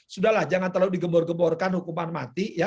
sudah lah jangan terlalu digembor gemborkan hukuman mati ya